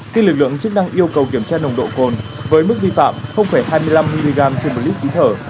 khi lực lượng chức năng yêu cầu kiểm tra nồng độ cồn với mức vi phạm hai mươi năm mg trên một lít khí thở